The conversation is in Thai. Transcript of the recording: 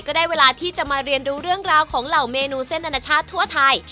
ก็ได้เวลาที่จะมาเรียนรู้เรื่องราวของเหล่าเมนูเส้นอนาชาติทั่วไทย